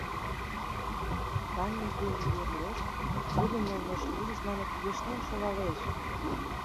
Ханын тӱжӧ йӧрлеш, тудын олмеш руш знамя кугешнен шогалеш!